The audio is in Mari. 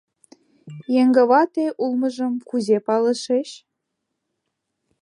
— Еҥгавате улмыжым кузе палышыч?